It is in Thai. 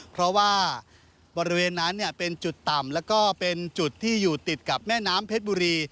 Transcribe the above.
เพราะว่าบริเวณนั้นเป็นจุดต่ำแล้วก็เป็นจุดที่อยู่ติดกับแม่น้ำเพชรบุรี